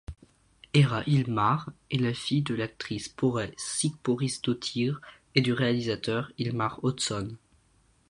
Hera Hilmar est la fille de l'actrice Þórey Sigþórsdóttir et du réalisateur Hilmar Oddsson.